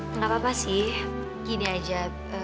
nggak apa apa sih gini aja